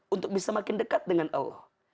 untuk bisa makin dekat dengan allah